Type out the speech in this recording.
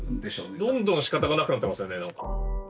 どんどん仕方がなくなってますよね。